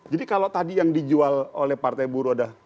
jadi kalau tadi yang dijual oleh partai buruh